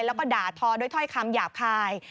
แล้วก็ด่าทอด้วยถ้อยคำหยาบคาย